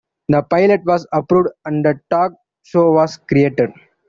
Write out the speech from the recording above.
The pilot was approved and the talk show was created.